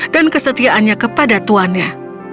dan kesetiaannya kepada tuannya